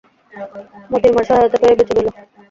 মোতির মার সহায়তা পেয়ে বেঁচে গেল।